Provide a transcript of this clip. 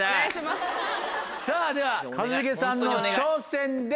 さぁでは一茂さんの挑戦です。